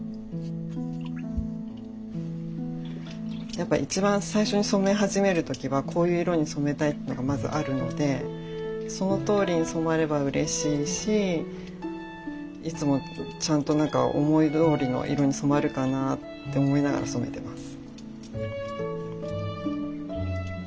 やっぱ一番最初に染め始める時はこういう色に染めたいっていうのがまずあるのでそのとおりに染まればうれしいしいつもちゃんとなんか思いどおりの色に染まるかなって思いながら染めてます。